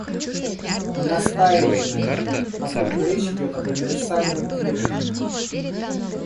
Мы настаиваем на этом, поскольку речь идет об универсальном требовании.